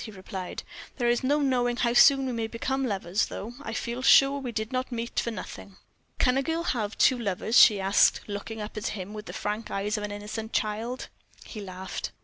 he replied; "there is no knowing how soon we may become lovers, though. I feel sure we did not meet for nothing." "Can a girl have two lovers?" she asked, looking up at him with the frank eyes of an innocent child. He laughed.